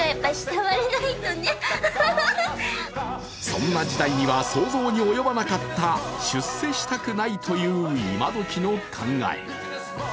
そんな時代には想像に及ばなかった出世したくないという今どきの考え。